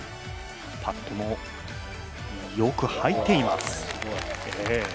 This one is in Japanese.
パットもよく入っています。